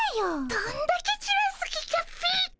どんだけじらす気かっピィ。